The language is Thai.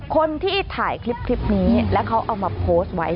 คนที่ถ่ายคลิปนี้แล้วเขาเอามาโพสต์ไว้